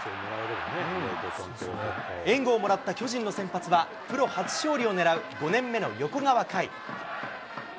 援護をもらった巨人の先発は、プロ初勝利をねらう５年目の横川凱。